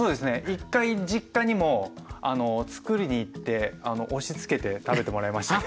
１回実家にもつくりに行って押しつけて食べてもらいましたね。